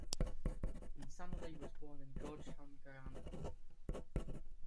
Insanally was born in Georgetown, Guyana.